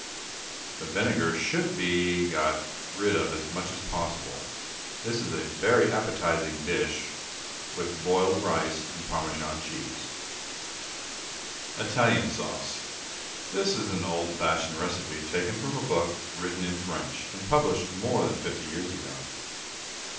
The vinegar should be got rid of as much as possible. This is a very appetising dish with boiled rice and Parmesan cheese. ITALIAN SAUCE. This is an old fashioned recipe taken from a book written in French, and published more than fifty years ago.